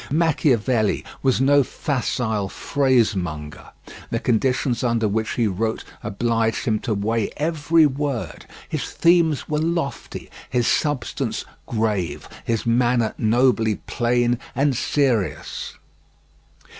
Machiavelli was no facile phrasemonger; the conditions under which he wrote obliged him to weigh every word; his themes were lofty, his substance grave, his manner nobly plain and serious.